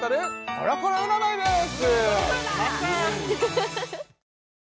コロコロ占いです